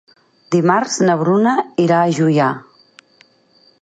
Dimarts na Bruna irà a Juià.